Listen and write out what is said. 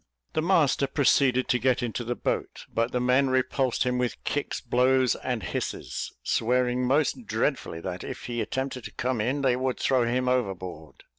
The master proceeded to get into the boat, but the men repulsed him with kicks, blows, and hisses, swearing most dreadfully that if he attempted to come in, they would throw him overboard.